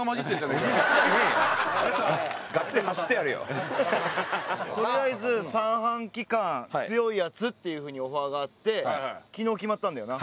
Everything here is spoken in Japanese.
とりあえず三半規管強いヤツっていうふうにオファーがあって昨日決まったんだよな。